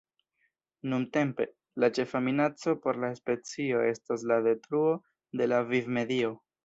Nuntempe, la ĉefa minaco por la specio estas la detruo de la vivmedio.